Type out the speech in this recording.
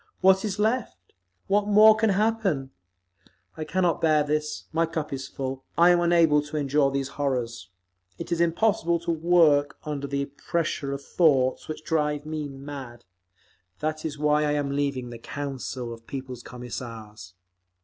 What is left? What more can happen? I cannot bear this. My cup is full. I am unable to endure these horrors. It is impossible to work under the pressure of thoughts which drive me mad! That is why I am leaving the Council of People's Commissars.